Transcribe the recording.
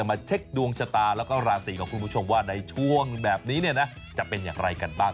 มาเช็คดวงชะตาแล้วก็ราศีของคุณผู้ชมว่าในช่วงแบบนี้เนี่ยนะจะเป็นอย่างไรกันบ้าง